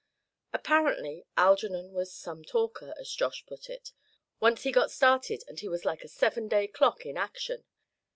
Apparently Algernon was "some talker," as Josh put it. Once he got started, and he was like a seven day clock in action.